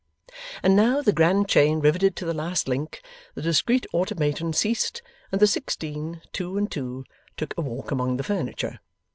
And now, the grand chain riveted to the last link, the discreet automaton ceased, and the sixteen, two and two, took a walk among the furniture.